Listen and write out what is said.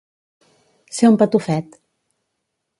Ser un patufet.